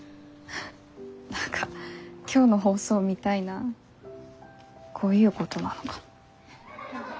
何か今日の放送みたいなこういうことなのかも。